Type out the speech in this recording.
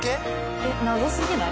えっ謎すぎない？